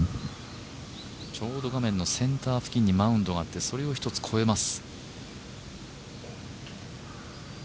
ちょうど画面のセンター付近にマウンドがあってそれを一つ、越えます。